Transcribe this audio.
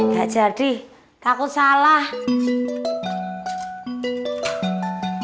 gak jadi takut salah